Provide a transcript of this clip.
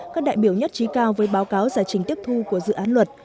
các đại biểu nhất trí cao với báo cáo giải trình tiếp thu của dự án luật